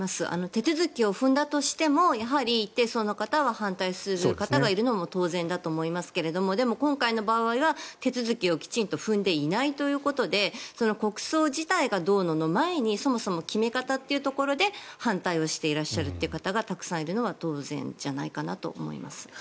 手続きを踏んだとしてもやはり、一定数の方は反対する方がいるのも当然だと思いますがでも今回の場合は手続きをきちんと踏んでいないということで国葬自体がどうのの前にそもそも決め方というところで反対をしていらっしゃるという方がたくさんいるのは当然じゃないかと思います。